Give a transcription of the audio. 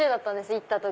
行った時。